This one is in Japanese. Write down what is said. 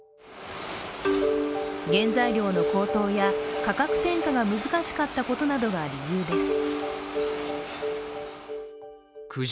原材料の高騰や、価格転嫁が難しかったことなどが理由です。